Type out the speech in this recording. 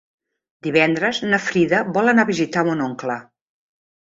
Divendres na Frida vol anar a visitar mon oncle.